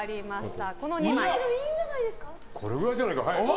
これぐらいじゃないか？